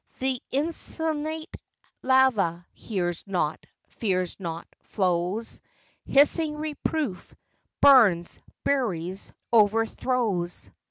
Th' insensate lava hears not, fears not, flows Hissing reproof; burns, buries, overthrows.